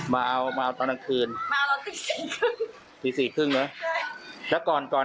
มาเอามาเอาตอนนักคืนมาเอาตอนติดสี่ครึ่งติดสี่ครึ่งเหรอใช่